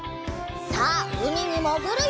さあうみにもぐるよ！